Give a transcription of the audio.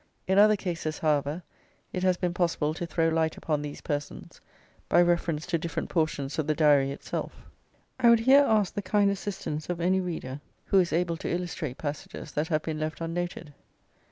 In other cases, however, it has been possible to throw light upon these persons by reference to different portions of the Diary itself. I would here ask the kind assistance of any reader who is able to illustrate passages that have been left unnoted.